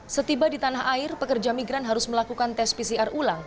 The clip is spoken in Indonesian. setiba di tanah air pekerja migran harus melakukan tes pcr ulang